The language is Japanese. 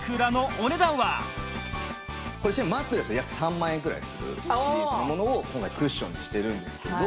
マットレスは約３万円ぐらいするシリーズのものを今回クッションにしているんですけれど。